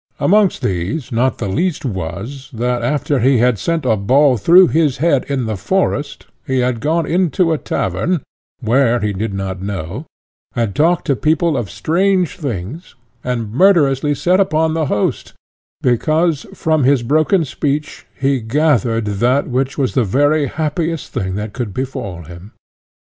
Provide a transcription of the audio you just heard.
Amongst these not the least was, that after he had sent a ball through his head in the forest, he had gone into a tavern, where he did not know, had talked to people of strange things, and murderously set upon the host, because, from his broken speech, he gathered that which was the very happiest thing that could befall him.